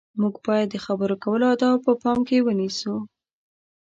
موږ باید د خبرو کولو اداب په پام کې ونیسو.